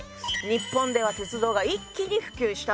日本では鉄道が一気に普及したんです。